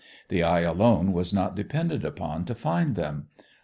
The eye alone was not depended upon to find them.